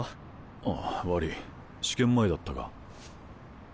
あっ悪ぃ試験前だったか。